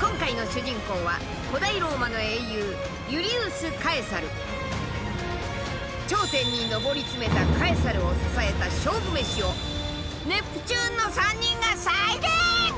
今回の主人公は古代ローマの英雄頂点に上り詰めたカエサルを支えた勝負メシをネプチューンの３人が再現！